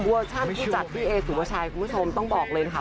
เวอร์ชั่นผู้จัดพี่เอสหรือว่าชายคุณผู้ชมต้องบอกเลยค่ะ